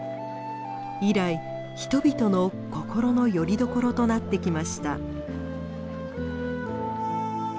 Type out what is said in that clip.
以来人々の心のよりどころとなってきました。